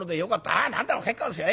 「ああ何でも結構ですよ。